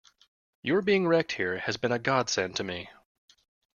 Your being wrecked here has been a godsend to me.